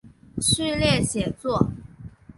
序列写作。